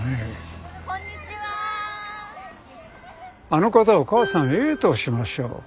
あの方を母さんＡとしましょう。